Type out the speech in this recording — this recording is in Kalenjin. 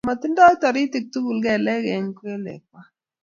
Matingdoi toritik tugul kelek eng' kelekwach